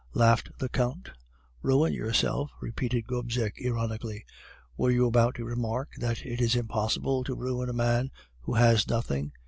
laughed the Count. "'Ruin yourself!' repeated Gobseck ironically. "'Were you about to remark that it is impossible to ruin a man who has nothing?